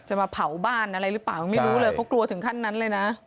มาเผาบ้านอะไรหรือเปล่าไม่รู้เลยเขากลัวถึงขั้นนั้นเลยนะ